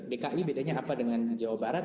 dki bedanya apa dengan jawa barat